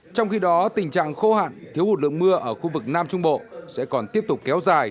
trong khi đó tình trạng khô hạn thiếu hụt lượng mưa ở khu vực nam trung bộ sẽ còn tiếp tục kéo dài